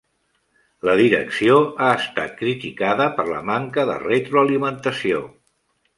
La direcció ha estat criticada per la manca de retroalimentació.